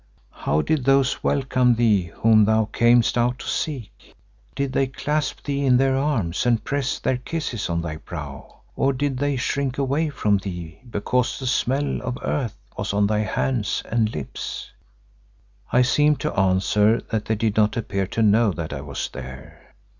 How did those welcome thee whom thou camest out to seek? Did they clasp thee in their arms and press their kisses on thy brow? Or did they shrink away from thee because the smell of earth was on thy hands and lips?" I seemed to answer that they did not appear to know that I was there.